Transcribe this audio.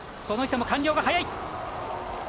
この人も完了が早い。